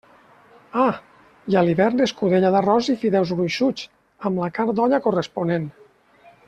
Ah!, i a l'hivern escudella d'arròs i fideus gruixuts, amb la carn d'olla corresponent.